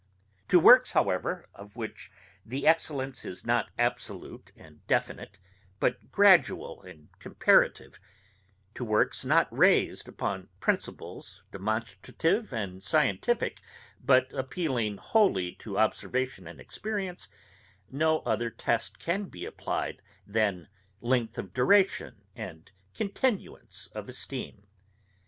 To works, however, of which the excellence is not absolute and definite, but gradual and comparative; to works not raised upon principles demonstrative and scientifick, but appealing wholly to observation and experience, no other test can he applied than length of duration and continuance of esteem.